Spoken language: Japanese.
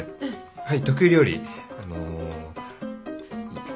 はい。